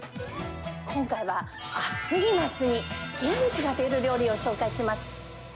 今回は、暑い夏に元気が出る料理を紹介します。